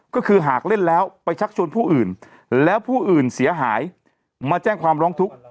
ก็คือหากเล่นแล้วไปชักชวนผู้อื่นแล้วผู้อื่นเสียหายมาแจ้งความร้องทุกข์